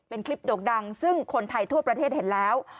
เป็นคลิปโด่งดังซึ่งคนไทยทั่วประเทศเห็นแล้ว